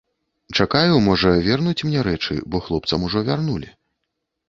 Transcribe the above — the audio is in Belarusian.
Чакаю, можа, вернуць мне рэчы, бо хлопцам ужо вярнулі.